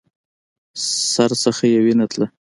سر نه يې وينه تله.